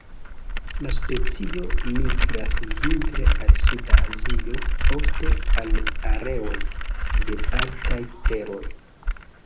La specio migras vintre al suda Azio, ofte al areoj de altaj teroj.